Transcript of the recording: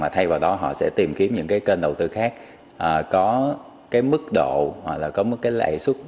thay vào đó họ sẽ tìm kiếm những cái kênh đầu tư khác có cái mức độ hoặc là có một cái lãi suất